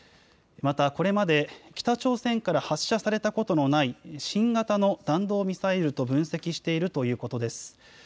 また、これまで北朝鮮から発射されたことのない新型の弾道ミサイルと分析しているということです。